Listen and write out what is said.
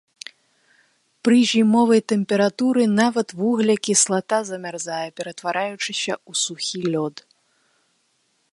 Пры зімовай тэмпературы нават вуглекіслата замярзае, ператвараючыся ў сухі лёд.